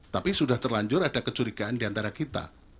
tapi sudah terlanjur ada kecurigaan diantara kita